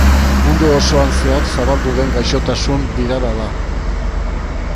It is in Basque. Mundu osoan zehar zabaldu den gaixotasun birala da.